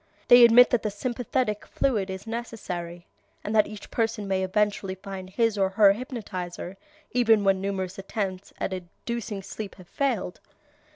They admit that the sympathetic fluid is necessary, and that each person may eventually find his or her hypnotizer, even when numerous attempts at inducing sleep have failed.